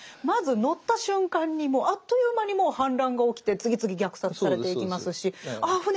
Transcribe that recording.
まず乗った瞬間にもうあっという間にもう反乱が起きて次々虐殺されていきますしああ